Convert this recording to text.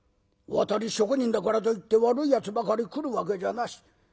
渡り職人だからといって悪いやつばかり来るわけじゃなし。